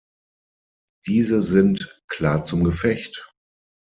Diese sind "klar zum Gefecht".